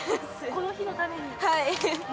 この日のために？